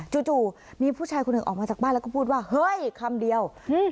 จู่มีผู้ชายคนหนึ่งออกมาจากบ้านแล้วก็พูดว่าเฮ้ยคำเดียว